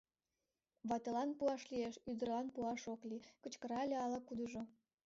— Ватылан пуаш лиеш, ӱдырлан пуаш ок лий! — кычкырале ала-кудыжо.